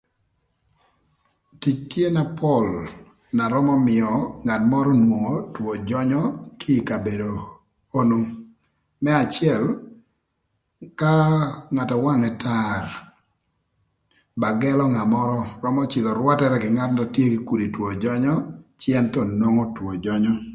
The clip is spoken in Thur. Tic tye na pol na römö mïö ngat mörö nwongo two jönyö kï ï kabedo onu. Më acël ka ngat na wangë tar ba gëlö ngat mörö römö cïdhö rwatërë kï ngat na tye kï kudi two jönyö cë ën thon nwongo twö jönyö